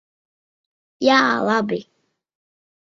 Jā, labi.